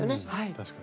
確かに。